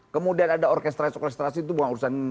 kemudian ada orkestrasi orkestrasi itu bukan urusan